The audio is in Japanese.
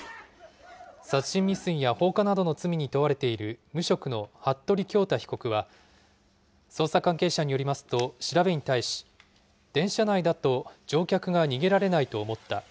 殺人未遂や放火などの罪に問われている、無職の服部恭太被告は、捜査関係者によりますと、調べに対し、電車内だと乗客が逃げられないと思った。